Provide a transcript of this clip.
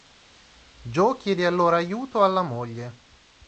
Joe chiede allora aiuto alla moglie.